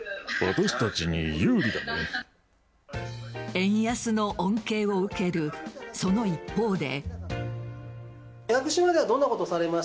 円安の恩恵を受けるその一方で。